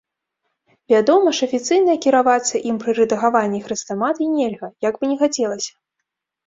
Вядома ж, афіцыйна кіравацца ім пры рэдагаванні хрэстаматый нельга, як бы ні хацелася.